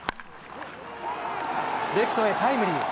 レフトへタイムリー！